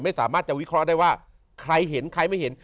ไม่สามารถจะวิเคราะห์ได้ว่าใครเห็นใครไม่เห็น